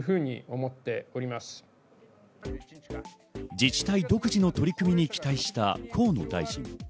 自治体独自の取り組みに期待した河野大臣。